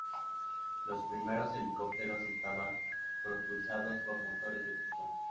Los primeros helicópteros estaban propulsados por motores de pistón.